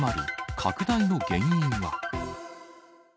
拡大の原因は？